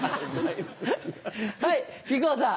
はい木久扇さん。